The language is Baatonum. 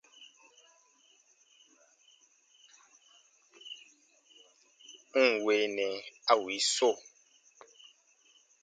N ǹ weenɛ a wii so !